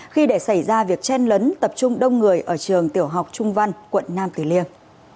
khi để xảy ra việc chen lấn tập trung đông người ở trường tiểu học trung văn quận nam tử liêm